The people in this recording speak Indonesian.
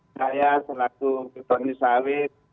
saya selaku petani sawit